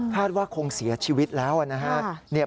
ว่าคงเสียชีวิตแล้วนะครับ